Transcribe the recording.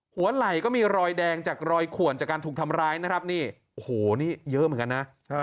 ไหล่ก็มีรอยแดงจากรอยขวนจากการถูกทำร้ายนะครับนี่โอ้โหนี่เยอะเหมือนกันนะ